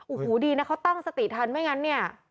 โอ้โหดีนะเขาตั้งสติทันไม่งั้นเนี่ย